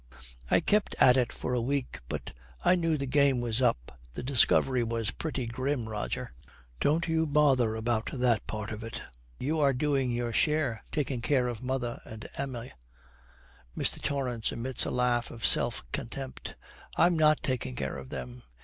I kept at it for a week, but I knew the game was up. The discovery was pretty grim, Roger.' 'Don't you bother about that part of it. You are doing your share, taking care of mother and Emma.' Mr. Torrance emits a laugh of self contempt. 'I am not taking care of them.